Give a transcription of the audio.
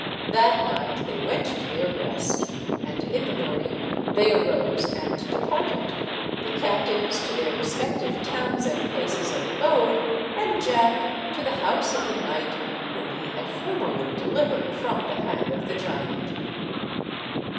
That night they went to their rest, and in the morning they arose and departed—the captives to their respective towns and places of abode, and Jack to the house of the knight whom he had formerly delivered from the hand of the giant.